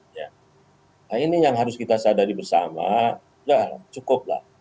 nah ini yang harus kita sadari bersama ya cukup lah